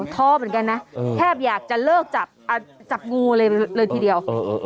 ทอบเหมือนกันนะเออแคบอยากจะเลิกจับอ่าจับงูเลยเลยทีเดียวเออ